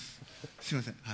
すみません。